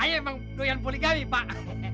ayah memang doyan poligami pak